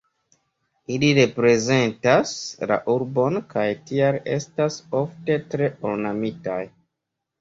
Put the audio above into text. Ili reprezentas la urbon kaj tial estas ofte tre ornamitaj.